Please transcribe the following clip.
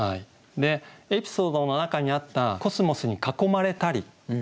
エピソードの中にあった「コスモスに囲まれたり」。